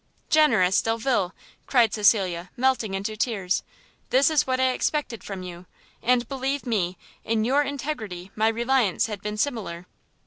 "Generous Delvile!" cried Cecilia, melting into tears, "this is what I expected from you! and, believe me, in your integrity my reliance had been similar!"